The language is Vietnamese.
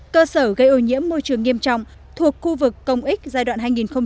cơ sở gây ô nhiễm môi trường nghiêm trọng thuộc khu vực công ích giai đoạn hai nghìn một mươi sáu hai nghìn hai mươi